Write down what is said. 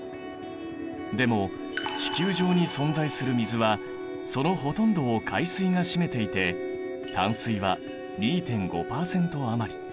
でも地球上に存在する水はそのほとんどを海水が占めていて淡水は２．５％余り。